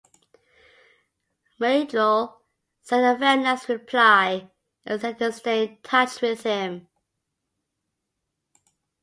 Myrdal sent a very nice reply and said to stay in touch with him.